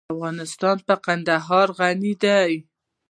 افغانستان په کندهار غني دی.